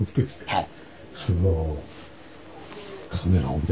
はい。